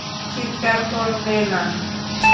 চিৎকার করবে না।